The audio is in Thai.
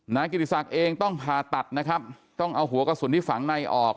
นายกิติศักดิ์เองต้องผ่าตัดนะครับต้องเอาหัวกระสุนที่ฝังในออก